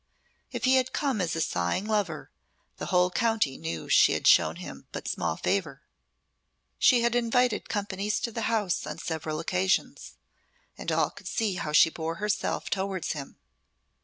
If he had come as a sighing lover, the whole county knew she had shown him but small favour. She had invited companies to the house on several occasions, and all could see how she bore herself towards him.